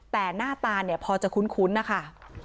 แต่หน้าตาเนี่ยพอจะคุ้นนะคะ